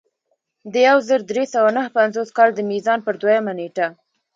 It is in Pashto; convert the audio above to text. د یو زر درې سوه نهه پنځوس کال د میزان پر دویمه نېټه.